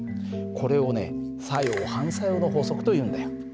これをね作用・反作用の法則というんだよ。